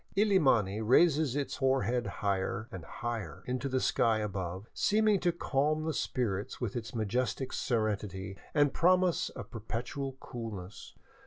Illimani raises its hoar head higher and higher into the sky above, seeming to calm the spirits with its majestic serenity and promise of perpetual coolness.